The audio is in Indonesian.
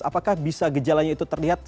apakah bisa gejalanya itu terlihat